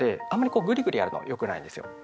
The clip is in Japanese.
こうグリグリやるのはよくないんですよ。